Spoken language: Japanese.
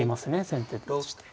先手として。